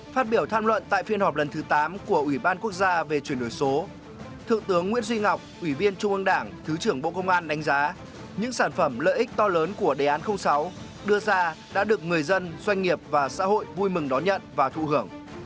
phát biểu tham luận tại phiên họp lần thứ tám của ủy ban quốc gia về chuyển đổi số thượng tướng nguyễn duy ngọc ủy viên trung ương đảng thứ trưởng bộ công an đánh giá những sản phẩm lợi ích to lớn của đề án sáu đưa ra đã được người dân doanh nghiệp và xã hội vui mừng đón nhận và thụ hưởng